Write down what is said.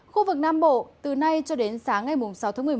khu vực nam bộ từ nay cho đến sáng ngày sáu tháng một mươi một